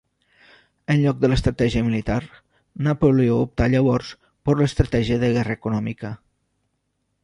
En lloc de l'estratègia militar, Napoleó opta llavors por l'estratègia de guerra econòmica.